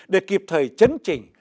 để kịp thời chấn chỉnh